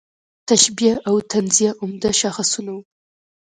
تشبیه او تنزیه عمده شاخصونه وو.